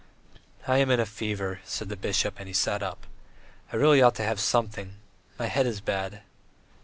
"I am in a fever ..." said the bishop, and he sat up. "I really ought to have something. My head is bad.